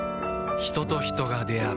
人と人が出会う